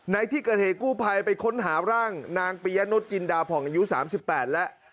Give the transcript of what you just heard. ในที่กระเทกู้ภัยไปค้นหาร่างนางปียะโน้ตจินดาพ่องอายุ๓๘และ